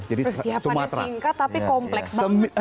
persiapannya singkat tapi kompleks banget